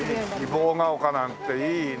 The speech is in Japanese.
希望ケ丘なんていいね。